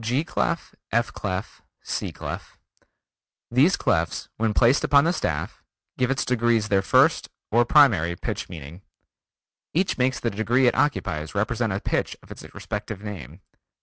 G Clef, F Clef, C Clef: These clefs when placed upon the staff, give its degrees their first, or primary pitch meaning. Each makes the degree it occupies represent a pitch of its respective name.